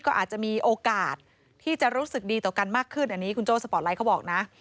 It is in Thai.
ก็อาจจะมีโอกาสที่จะรู้สึกดีต่อกันมากขึ้นอันนี้คุณโจ้สปอร์ตไลท์เขาบอกนะ